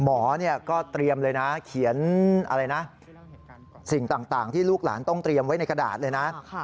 หมอก็เตรียมเลยนะเขียนอะไรนะสิ่งต่างที่ลูกหลานต้องเตรียมไว้ในกระดาษเลยนะ